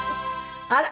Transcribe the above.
あら！